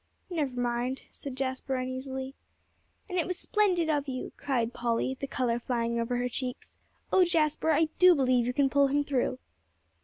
"Never mind," said Jasper uneasily. "And it was splendid of you," cried Polly, the color flying over her cheeks. "Oh Jasper, I do believe you can pull him through."